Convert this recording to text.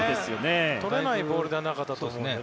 とれないボールではなかったと思います。